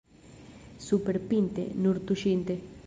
Superpinte — nur tuŝinte.